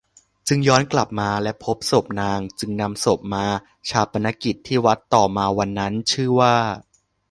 จึงย้อนกลับมาและพบศพนางจึงนำศพมาฌาปนกิจที่วัดต่อมาวันนั้นชื่อว่า